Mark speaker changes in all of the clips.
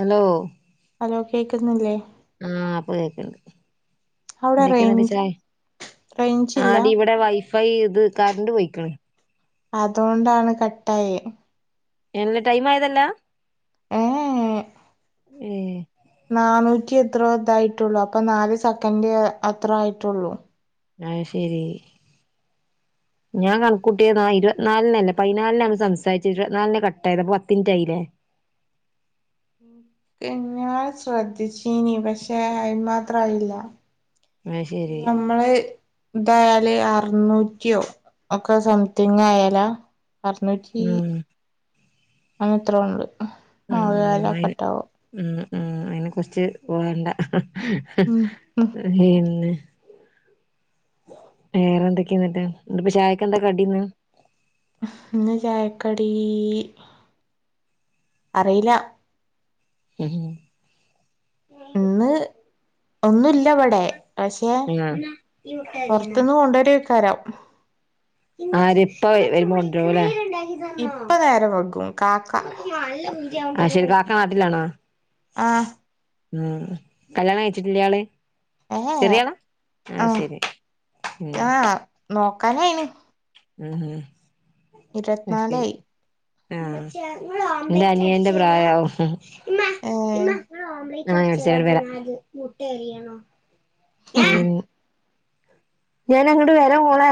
Speaker 1: Hello
Speaker 2: hello കേക്ക്ന്നില്ലേ
Speaker 1: ആഹ് ഇപ്പൊ കേക്ണ്ട്
Speaker 2: അവിടെ
Speaker 1: എന്തൊക്കെന്നിട്ട്
Speaker 2: റേഞ്ച്
Speaker 1: ച്ചായ്
Speaker 2: റേഞ്ചില്ല
Speaker 1: ആടി ഇവിടെ വൈഫ ഫൈ ഇത് കർണ്ട് പൊയ്ക്ക്ന്ന്
Speaker 2: അതോണ്ടാണ് കട്ടായെ
Speaker 1: എന്ന് ടൈമായതല്ലാ
Speaker 2: ഏ
Speaker 1: ഏഹ്
Speaker 2: നാനൂറ്റി എത്രോ ഇതായിട്ടൊള്ളു അപ്പൊ നാല് സെക്കൻഡ് അത്ര ആയിട്ടൊള്ളു
Speaker 1: ആഹ് ശരീ ഞാൻ കൺകൂട്ട്യെ ഇരുപത്തി നാൽണല്ലെ പതിനാൽണ്ണം സംസാരിച്ചു ഇരുപത്ത്നാൽണെ കട്ടായത് അപ്പൊ പത്തിൻറ്റായിലെ
Speaker 2: പിന്നാ ശ്രദ്ധിച്ചീന് പക്ഷെ അയിന് മാത്രയില്ലാ
Speaker 1: അത് ശരി
Speaker 2: ഈ ഞമ്മളെ ഇതായാല് അർനൂറ്റ്യോ ഒക്ക സംതിങ് ആയാല അർന്നൂറ്റീ
Speaker 1: ഉം
Speaker 2: അങ്ങ എത്രോ ഇണ്ട്
Speaker 1: ഉം അയിന് ഉം ഉം അയിനെ കുറ്ച്ച് പോണ്ട
Speaker 2: ഉം ഉം
Speaker 1: പിന്നെ വേറെ എന്തൊക്കെ ഇന്ന്ട്ട് ഇപ്പ ചായക്കെന്ത കടിന്ന്
Speaker 2: ഇന്ന് ചായക്കടീ അറീല
Speaker 1: ഉം
Speaker 2: ഇന്ന് ഒന്നുല്ല ഇവ്ടെ പക്ഷേ
Speaker 1: ആഹ്
Speaker 2: പോർത്ത്ന്ന് കൊണ്ടൊരേക്കാരം
Speaker 1: ആര് ഇപ്പ വരുമ്പൊ കൊണ്ട്രൂലെ
Speaker 2: ഇപ്പ നേരം വെങ്കും കാക്ക
Speaker 1: ആഹ് ശരി കാക്ക നാട്ടിലാണോ
Speaker 2: ആഹ്
Speaker 1: ഉം കല്യാണം കഴച്ചിട്ടില്ല്യാള്
Speaker 2: ഏ ഏ
Speaker 1: ചെറിയാള ആഹ് ശരി ഉം
Speaker 2: നോക്കാനയിന്
Speaker 1: ഉം ഉം അയ് ശരി
Speaker 2: ഇരുപത്തിനാലായി
Speaker 1: ആഹ് ഇന്റ അനിയെന്റെ പ്രായാവും ഉം ഇമ്മാ
Speaker 2: ഏഹ്
Speaker 1: നിങ്ങള് ഒമ്പലെറ്റ് അടിച്ചോരെ ആഹ് ഞാൻ അടിച്ചേര വര മുട്ട അറിയെണൊ ഞാന അങ്ങ്ട്ട് വര മോളെ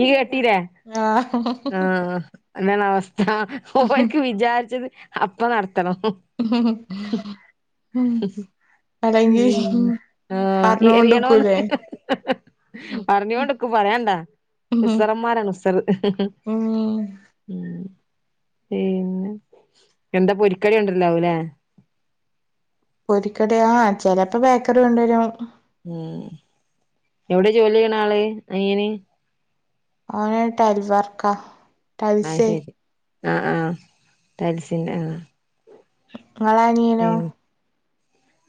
Speaker 1: ഇയ്യ് കേട്ടീലേ
Speaker 2: ആഹ്
Speaker 1: ആഹ് അതാണ് അവസ്ഥ ഓർക്ക് വിചാരിച്ചത് അപ്പ നടത്തണം
Speaker 2: ഉം
Speaker 1: ഉം ആഹ് എറിയണോന്ന്
Speaker 2: പറഞ്ഞോണ്ട്ക്കൂലേ
Speaker 1: പറ്ഞ്ഞോണ്ട്ക്ക് പറയാണ്ടൊ ഉസറന്മാരാണ് ഉസറ്.
Speaker 2: ആഹ്
Speaker 1: ഉം പിന്നെ എന്ത പൊരിക്കടി കൊണ്ട്രലാവുലേ?
Speaker 2: പൊരിക്കട ആഹ് ചെലപ്പൊ ബേക്കറി കൊണ്ട് വരും.
Speaker 1: ഉം എവ്ടെ ജോലി ചെയ്യ്ണ് ആള് അനിയന്.
Speaker 2: ഓന് ടൈൽ വർക്ക.
Speaker 1: ആ ശരി ആഹ ആഹ ടൈൽസിന്റെ ആഹ
Speaker 2: നിങ്ങളെ
Speaker 1: പി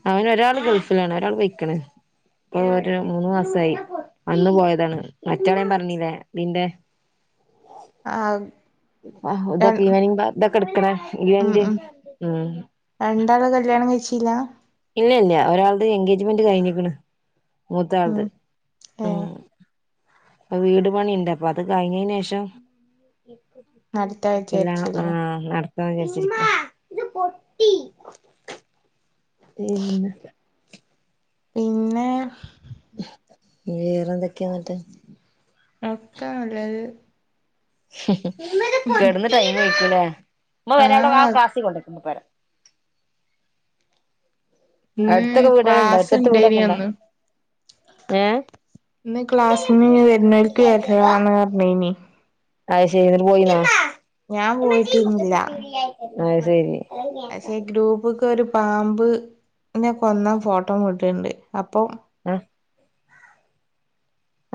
Speaker 1: അവന് ഒരാൾ ഗൾഫിലാണ് ഒരാൾ പോയിക്ക്ണ്. ഇപ്പൊ ഒരു മൂന്ന് മാസായി വന്ന് പോയതാണ്. മറ്റവള് ഞാൻ പറഞ്ഞില്ലേ ഇതിന്റെ
Speaker 2: ആഹ്.
Speaker 1: ആ ഇതൊക്കെ ഈവനി ഇതൊക്കെ എടുക്കണ ഈവന്റ് ഉ
Speaker 2: രണ്ടാള് കല്യാണം കഴിച്ചില്ല.
Speaker 1: ഇല്ല ഇല്ല ഒരാളത് എൻഗേജ്മെന്റ് കഴിഞ്ഞിരിക്കണ്. മൂത്ത ആളത്.
Speaker 2: ഉം ഏഹ്
Speaker 1: ഉം അ വീട് പണിണ്ട് അപ്പൊ അത് കഴിഞ്ഞതിന് ശേഷം.
Speaker 2: അടുത്ത ആഴ്ച
Speaker 1: ഇല്ല ആ
Speaker 2: വിചാരിച്ചില്ലേ
Speaker 1: ന വിചാരിച്ചിരിക്കുക ഇമ്മ ഇത് പൊട്ടി. പിന്നെ
Speaker 2: പിന്നെ
Speaker 1: വേറെന്തൊക്കെന്നട്ട്.
Speaker 2: ഒക്കാ നല്ലത്.
Speaker 1: കെടന്ന് ടൈം കഴിക്കുലേ ഇമ്മ വരെ അവിടെ ആ
Speaker 2: ആഹ്
Speaker 1: കാസി കൊണ്ടക്ക് പ പോരാ.
Speaker 2: ഇന്ന്
Speaker 1: അടുത്തൊക്കെ വീടുകളുണ്ടോ
Speaker 2: ക്ലാസ്
Speaker 1: അടുത്തടുത്ത്
Speaker 2: ഉണ്ടായിന്
Speaker 1: വീടൊക്കെ ഇണ്ടോ
Speaker 2: അന്ന്.
Speaker 1: ഏഹ്
Speaker 2: ഇന്ന് ക്ലാസിന്ന് വരുന്നൂലക്ക് വരന്ന് പറഞ്ഞനി.
Speaker 1: അത് ശരി എന്നിട്ട് പോയിന്നോ
Speaker 2: ഞാൻ പോയിട്ടിരുന്നില്ല
Speaker 1: അ ശരി
Speaker 2: പക്ഷേ ഗ്രൂപ്പ്ക്ക് ഒരു പാമ്പ് നെ കൊന്നാ ഫോട്ടോ വിട്ടിട്ടണ്ട്. അപ്പൊ
Speaker 1: ആഏ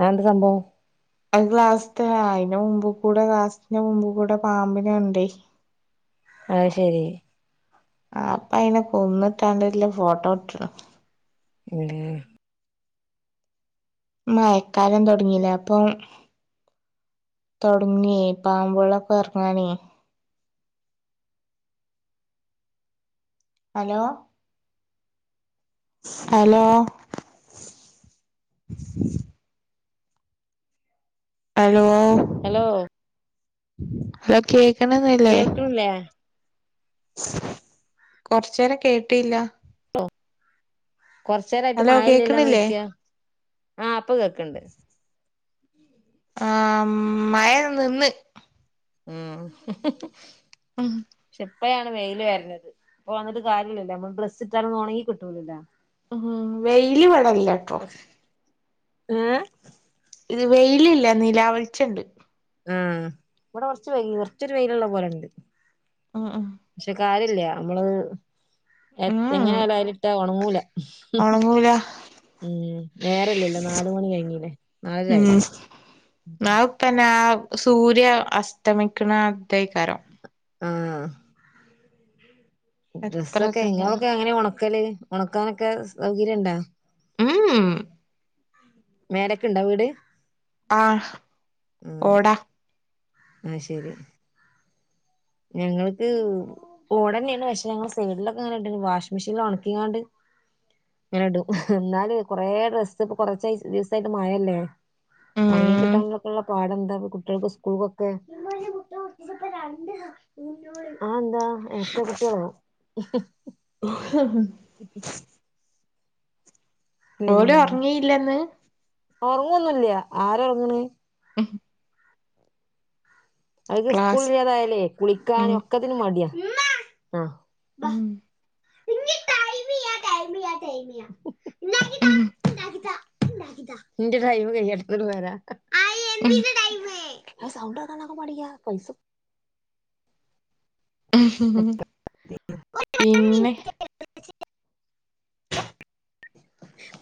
Speaker 1: ആ എന്ത സംഭവം.
Speaker 2: അത് ക്ലാസ്സ് തെ അതിന്റെ മുമ്പ് കൂടെ ക്ലാസ്സ് സിന്റെ മുമ്പ് കൂടെ പാമ്പിന കണ്ടേ.
Speaker 1: അഹ് ശരി.
Speaker 2: ആ അപ്പ അയിനെ കൊന്നിട്ടാണ്ട് ള ഫോട്ടോ ഇട്ടത്.
Speaker 1: ഏ
Speaker 2: മയക്കാലം തുടങ്ങില്ലേ അപ്പം.. തുടങ്ങിയ പാമ്പോളൊക്കെ ഇറങ്ങാനേ. ഹലോ? ഹലോ? ഹലോ?
Speaker 1: ഹലോ?
Speaker 2: അല്ലോ കേക്കണ്ന്നില്ലേ?
Speaker 1: കിട്ടുന്നില്ലല്ലോ?
Speaker 2: കൊറച്ച് നേരം കേട്ടില്ല.
Speaker 1: കൊറച്ച നോരായിട്ട്
Speaker 2: ഹലോ
Speaker 1: മഴല്ലല്ലന്ന്
Speaker 2: കേക്കണില്ലേ
Speaker 1: ചോദിക്ക ആ ഇപ്പ കേക്ക്ണ്ട്.
Speaker 2: ആ മഴ നിന്ന്.
Speaker 1: ആഹ്
Speaker 2: ഉം
Speaker 1: പക്ഷെ എപ്പഴാണ് വെയില്ൽ വരുന്നത്. ഇപ്പ വിട്ട് കാര്യമില്ലല്ല. നമ്മള് ഡ്രസ്സ് ഇട്ടാലും ഒണങ്ങി കിട്ടൂലല്ലോ?
Speaker 2: ഉം വെയില് ഇവടെ ഇലട്ടോ?
Speaker 1: ആഹ്
Speaker 2: ഇത് വെയിലില്ല നിലാ വെളിച്ചണ്ട്.
Speaker 1: ആ ഇവിടെ കുറച്ച് വയ് കുറച്ചൊരു വെയില് ള്ള പോലെ ഉണ്ട്.
Speaker 2: ആഹ് ആഹ്
Speaker 1: പക്ഷെ, കാര്യല്ല നമ്മള്. എ
Speaker 2: ഉം
Speaker 1: എങ്ങനായാലും അയ്‌ലിട്ട ഒണങ്ങൂല.
Speaker 2: ഒണങ്ങൂല
Speaker 1: ഉം നേരല്ല ല്ലോ? നാല് മണി കഴിഞ്ഞി ല്ലേ? നാലരായി.
Speaker 2: പിന്നെ, ആഹ് സൂര്യ അസ്തമിക്കണ ആഹ് ഇതായി കാരം.
Speaker 1: ആഹ്
Speaker 2: എത്ര
Speaker 1: ഡ്രസ്സൊക്കെ
Speaker 2: ഇതുണ്ടാവും
Speaker 1: ഇങ്ങളൊക്കെ എങ്ങനെ ഉണക്കല്. ഉണക്കാനൊക്കെ സൗകര്യം ണ്ടാ.
Speaker 2: [unintelligible]
Speaker 1: മേലക്ക് ണ്ട വീട്.
Speaker 2: ആഹ്, ഓടാ
Speaker 1: അത്‌ ശരി ഞങ്ങൾക്ക് ഓടന്നെയാണ്. പക്ഷെ ഞങ്ങള് സൈഡിലൊക്കെ അങ്ങനണ്ട് വാഷി് മെഷീൽ ഓണാക്കി ങ്ങാണ്ട്. ങ്ങനെടും എന്നാല് കൊറേ ഡ്രസ്സ് ഇപ്പ കൊറച്ച ദിവസായിട്ട് മഴ ല്ലേ? ഒണങ്ങി
Speaker 2: ഉം
Speaker 1: കിട്ടാനൊക്കെള്ള പാട എന്താ കുട്ടികൾക്ക് സ്‌ക്കൂ സ്കൂൾകൊക്കെ, ആഹ് അതെന്താ? ഇരട്ട കുട്ടികളോ?
Speaker 2: [unintelligible]
Speaker 1: [inaudible] ഉം,
Speaker 2: ഓല് ഒറങ്ങിയില്ലന്ന്
Speaker 1: ഉറങ്ങൊന്നുംല്ല ആര് ഒർങ്ണ്.
Speaker 2: [inaudible]
Speaker 1: അവക്ക് സ്കൂള്
Speaker 2: ക്ലാസ്
Speaker 1: ഇല്ല തയാലേ,
Speaker 2: ഉം
Speaker 1: കുളിക്കാനും ഒക്കെത്തിന് മടിയാ, ആഹ്
Speaker 2: ഉം
Speaker 1: ഇനി ടൈമിയ്യ ടൈമിയ്യ.
Speaker 2: ഉം
Speaker 1: നിന്റെ ടൈമ് കയ്യട്ടെ ന്നട്ട് വരാ.
Speaker 2: ഉം
Speaker 1: എന്തിന്റെ ടൈമ്. സൗണ്ട് ണ്ടക്കാൻ പാടിയ്യ പൈസ.
Speaker 2: പിന്നെ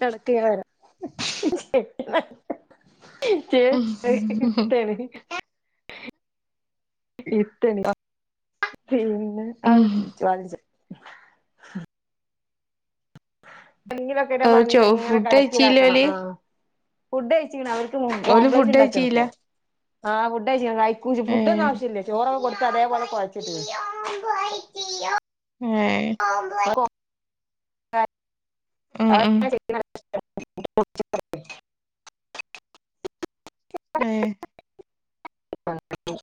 Speaker 1: നടക്കേക്കാരം ച ഇടുത്തേണ് [inaudible] [unintelligible] പിന്നെ ആലോചിച്ചു [unintelligible] എന്തെങ്കിലൊക്കെ
Speaker 2: ഓഹ് ചോ
Speaker 1: [unintelligible] എങ്ങനെ
Speaker 2: ഫുഡ്
Speaker 1: കടക്ക
Speaker 2: കഴിച്ചീലെ
Speaker 1: ഇതാക്കണം
Speaker 2: ഓല്
Speaker 1: ആഹ് ഫുഡ് കഴിചിക്കണ അവർക്ക്
Speaker 2: ഓല്
Speaker 1: ഓംലെറ്റ്
Speaker 2: ഫുഡ്
Speaker 1: ഉണ്ടാക്കാണ്
Speaker 2: കഴിച്ചീല്ല
Speaker 1: ഇപ്പൊ, ആഹ് ഫുഡ്‌ കഴിച്ചി ഫുഡ് ഒന്നും
Speaker 2: ഏഹ്
Speaker 1: ആവശ്യമില്ല. ചോറൊക്കേ കൊടുത്ത് അതേപോലെ കുഴച്ചിട്ട്ക് ണ്.
Speaker 2: ഉം
Speaker 1: [unintelligible]
Speaker 2: ഉം ഉം
Speaker 1: [unintelligible]
Speaker 2: ആഹ്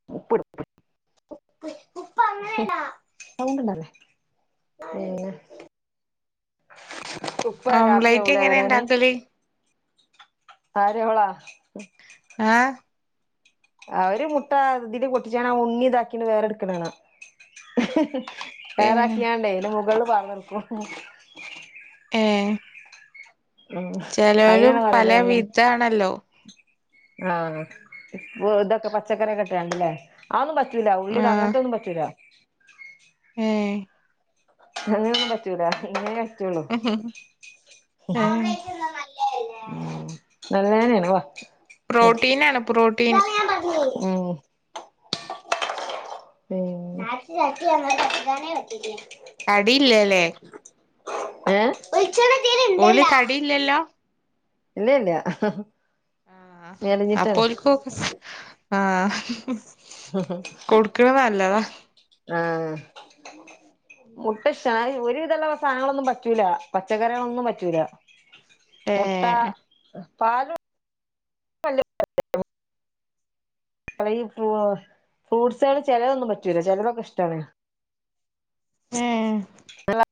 Speaker 1: [unintelligible] ഉപ്പ് അങ്ങനെ യാണോ, സൗണ്ട് ഉണ്ടാക്കല്ലേ? പിന്നെ. ഉപ്പ രാത്രി
Speaker 2: ഓംലൈറ്റ്
Speaker 1: ആവുംലെ
Speaker 2: എങ്ങനെ
Speaker 1: വരാന്.
Speaker 2: ഇണ്ടാക്കല്
Speaker 1: ആര് ഓള
Speaker 2: ആഹ്
Speaker 1: അവര് മുട്ട അതില് പൊട്ടിച്ച ആഹ് ഉണ്ണി ഇതാക്കി വേറെ ടുക്കണ് കാണ.
Speaker 2: ഏഹ്
Speaker 1: വേറക്കിയാണ്ടേ ഇതിന് മുകളിൽ പാർന്നൊടുക്കും.
Speaker 2: ഏ
Speaker 1: ഉ അയിനാണ് പറയണ
Speaker 2: പല
Speaker 1: ഞും
Speaker 2: വിധാണല്ലോ
Speaker 1: ആ ഇതൊക്കെ പച്ചക്കറി ക്കെ ഇട്ട്ങ്ങണ്ടല്ലേ ല്ല ഉള്ളിൽ
Speaker 2: ആഹ്
Speaker 1: അങ്ങനത്തൊന്നും പറ്റില്ല
Speaker 2: ഏഹ്
Speaker 1: അങ്ങനെ ഒന്നും പറ്റൂല ഇങ്ങനെ പറ്റുള്ളു
Speaker 2: ഏഹ്
Speaker 1: നല്ലേനെന്നേണ് വാ
Speaker 2: പ്രോട്ടീനാണ് പ്രോട്ടീൻ
Speaker 1: ഉം [unintelligible]
Speaker 2: അടില്ലല്ലേ
Speaker 1: ഏഹ് [unintelligible] ഇതിൽ
Speaker 2: ഓല്
Speaker 1: ഇണ്ടല്ല
Speaker 2: തടിയില്ലല്ലോ
Speaker 1: ഇല്ലല്ല
Speaker 2: ആഹ് അപ്പൊ ഓൽക്കും ആഹ് കൊടുക്കണ നല്ലതാ
Speaker 1: ആഹ് മുട്ട ഇഷ്ട്ടാണ് ഒരുവിധമുള്ള സാധനങ്ങളൊന്നും പറ്റൂല പച്ചക്കറികളൊന്നും പറ്റൂല മുട്ട
Speaker 2: ഏഹ്
Speaker 1: പാലു ആഹ് ഫ്രൂട്ട്സാൾ ചിലതൊന്നും പറ്റൂല ചിലതൊക്കെ ഇഷ്ടാണ്
Speaker 2: ഏഹ്
Speaker 1: അല്ല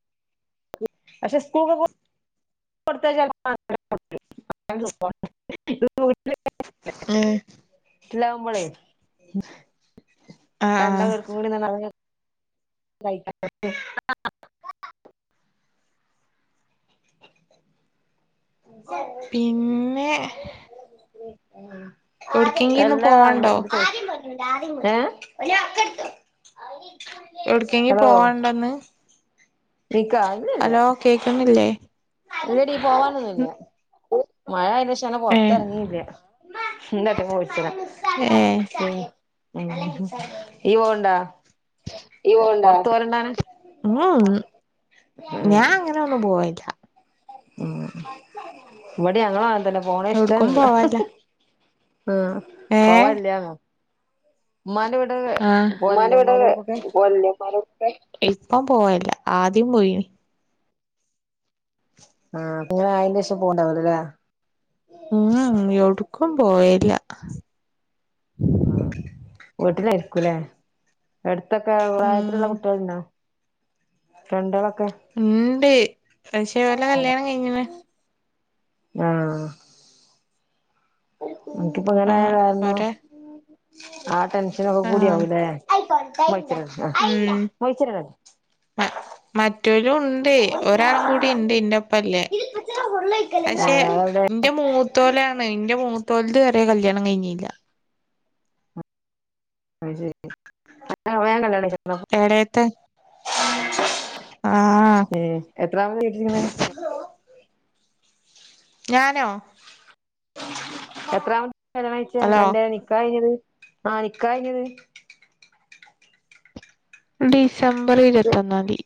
Speaker 1: പക്ഷെ സ്കൂൾക്ക് പോ [unintelligible]
Speaker 2: ആഹ്
Speaker 1: വീട്ടില്ലാവുമ്പോളേ
Speaker 2: ആഹ്
Speaker 1: രണ്ട്
Speaker 2: ആഹ്
Speaker 1: പേർക്കും കൂടി [unintelligible] [unintelligible]
Speaker 2: പിന്നെ എവിട്ക്കെങ്കി
Speaker 1: [unintelligible]
Speaker 2: ഇന്ന്
Speaker 1: അല്ല
Speaker 2: പോവണ്ടോ
Speaker 1: [unintelligible] ഏഹ്
Speaker 2: എവിടക്കെങ്കിലും പോവാണ്ടന്ന്
Speaker 1: നിക്കാ ഇല്ലല്ല
Speaker 2: ഹലോ കേക്ക്ന്നില്ലേ
Speaker 1: ഇല്ലടി പോവാനൊന്നുമില്ല മഴ ആയിന് ശേഷം അങ്ങനെ
Speaker 2: ഏഹ്
Speaker 1: പൊറത്തിറങ്ങിയില്ല
Speaker 2: ഏഹ്
Speaker 1: [unintelligible] ഉം ഇയ്യ് പോവുണ്ടാ
Speaker 2: ഇയ്യ് പോവുണ്ട മ്മ് മ്മ്
Speaker 1: ഉം
Speaker 2: ഞാൻ അങ്ങനെ ഒന്നും പോവലില്ല
Speaker 1: ഉം ഇവിടെ ഞങ്ങളും അങ്ങനെ തന്നെ പോണെ
Speaker 2: എവിട്ക്കും
Speaker 1: ഇഷ്ടന്നല്ല
Speaker 2: പോവലില്ല
Speaker 1: ഉം
Speaker 2: ഏഹ്
Speaker 1: പോവല്ലന്നോ ഉമ്മാന്റെ വീട്
Speaker 2: ആഹ് ഉമ്മാ ൻ്റെ
Speaker 1: പോവലില്ലേ
Speaker 2: വീട്ടിൽ
Speaker 1: ഉമ്മാന്റെ വീട്ട്ക്കൊക്കെ
Speaker 2: പോവലില്ലേ ഇപ്പം പോവലില്ല ആദ്യം പോയിന്
Speaker 1: ആഹ് പ്പോ ഇങ്ങനെ ആയിനേഷം പോവുണ്ടാവൂല ല്ലേ
Speaker 2: മ്മ്ഹ് മ്മ്ഹ് യൗവ്‌ട്ക്കും പോവലില്ല
Speaker 1: ഉം വീട്ടിലായിരിക്കൂല്ലേ എടുത്തൊക്കെ പ്രായത്തിലുള്ള
Speaker 2: ഉം
Speaker 1: കുട്ടികൾഉണ്ടോ ഫ്രണ്ടാളൊക്കെ
Speaker 2: ഉണ്ട് പക്ഷേ ഓലെ കല്യാണം കഴിഞ്ഞണ്
Speaker 1: ആഹ് അനക്കിപ്പോ ഇങ്ങനെ ആയ
Speaker 2: ആഹ്
Speaker 1: കാരണം
Speaker 2: ഓരെ
Speaker 1: ആ ടെെൻഷനും ഒക്കെ കൂടി
Speaker 2: ആഹ്
Speaker 1: ആവും ല്ലേ
Speaker 2: ഉം
Speaker 1: [unintelligible]
Speaker 2: മ മറ്റൊലും ഉണ്ട് ഒരാളും കൂടി ഉണ്ട് ഇന്റോപ്പല്ലേ പക്ഷെ എന്റെ മൂത്തോലാണ് എന്റെ മൂത്തോല്ത് വരെ കല്യാണം കഴിഞ്ഞില്ല
Speaker 1: അത് ശരി അന്നേ വേം കല്യാണം കഴിച്ചക്കണോ
Speaker 2: എടേത്തെ
Speaker 1: [inaudible]
Speaker 2: ആഹ്
Speaker 1: ഏഹ് എത്രാമത് വീട്ടിലിര്ക്ക്ണേ?
Speaker 2: ഞാനോ?
Speaker 1: എത്രാ മാസായി കല്യാണം കഴിച്ചേ
Speaker 2: ഹലോ
Speaker 1: അന്റെ നിക്കാഹ്‌ കഴിഞ്ഞത് ആ നിക്കാഹ്‌ കഴിഞ്ഞത്?
Speaker 2: ഡിസംബർ ഇരുപത്തൊന്നാന്തി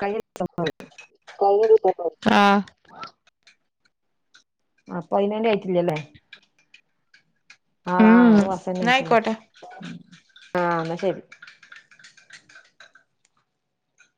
Speaker 1: കഴിഞ്ഞ ഡിസംബറ്
Speaker 2: ആഹ്
Speaker 1: അപ്പ അയിനാന്റ് ആയിട്ടില്ലല്ലേ? ആഹ്
Speaker 2: ഉം
Speaker 1: ഒര്
Speaker 2: ന്നാ
Speaker 1: വർഷന്നയിക്കണ്
Speaker 2: ആയിക്കോട്ടെ
Speaker 1: ആഹ് ഇന്നാ ശെരി